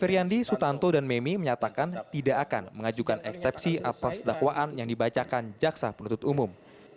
dan mengatakan bahwa mereka tidak akan mengajukan eksepsi atas dakwaan yang dibacakan jaksa penutup umum